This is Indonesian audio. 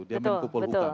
dia menkupul hukum